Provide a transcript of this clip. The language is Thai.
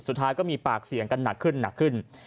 สุดท้ายก็มีปากเสียงกันหนักขึ้น